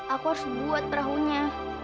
aku harus buat perahunya